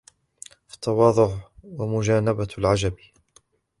فَالتَّوَاضُعُ وَمُجَانَبَةُ الْعُجْبِ